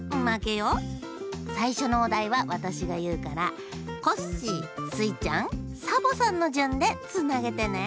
さいしょのおだいはわたしがいうからコッシースイちゃんサボさんのじゅんでつなげてね！